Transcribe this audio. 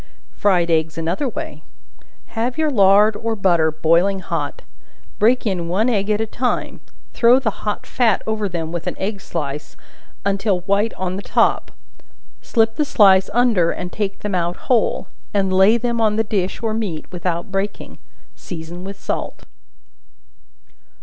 Fried Eggs another way. Have your lard or butter boiling hot; break in one egg at a time; throw the hot fat over them with an egg slice, until white on the top; slip the slice under and take them out whole, and lay them on the dish or meat without breaking; season with salt.